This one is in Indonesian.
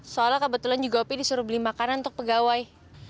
soalnya kebetulan juga opi disuruh beli makanan untuk pegawai